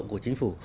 của chính phủ